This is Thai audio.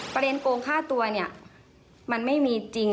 ประเด็นโกงฆ่าตัวเนี่ยมันไม่มีจริง